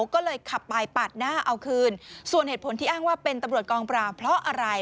ก็เลยขับไปปาดหน้าเอาคืนส่วนเหตุผลที่อ้างว่าเป็นตำรวจกองปราบเพราะอะไร